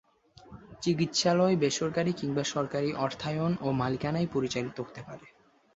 চিকিৎসালয় বেসরকারী কিংবা সরকারী অর্থায়ন ও মালিকানায় পরিচালিত হতে পারে।